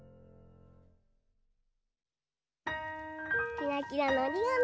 キラキラのおりがみ。